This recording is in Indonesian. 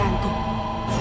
anda harus berhati hati